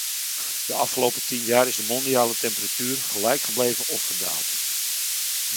De afgelopen tien jaar is de mondiale temperatuur gelijk gebleven of gedaald.